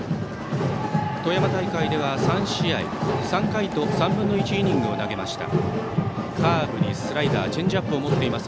富山大会では３試合３回と３分の１イニングを投げました。